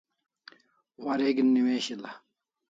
Wareg'in newishil'a